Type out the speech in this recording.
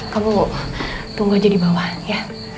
kamu tunggu aja di bawah ya